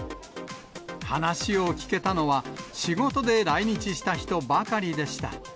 話を聞けたのは、仕事で来日した人ばかりでした。